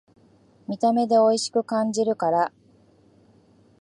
見た目でおいしく感じるから